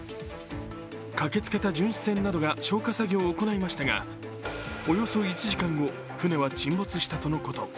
駆けつけた巡視船などが消火作業を行いましたがおよそ１時間後、船は沈没したとのこと。